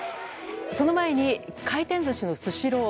その前に、回転寿司のスシロー。